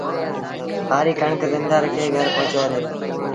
هآريٚ ڪڻڪ زميݩدآر کي گھر پُڄآئي ڏي دو